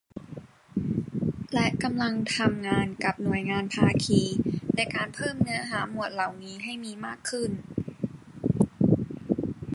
และกำลังทำงานกับหน่วยงานภาคีในการเพิ่มเนื้อหาหมวดเหล่านี้ให้มีมากขึ้น